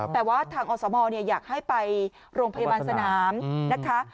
แต่ว่าทางอสมอยากให้ไปโรงพยาบาลสนามนะคะ